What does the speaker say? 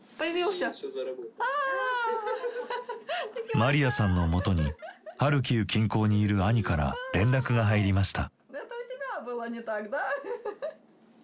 マリアさんのもとにハルキウ近郊にいる兄から連絡が入りました。